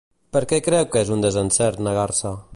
Per què creu que és un desencert negar-se?